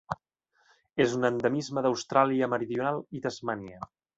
És un endemisme d'Austràlia Meridional i Tasmània.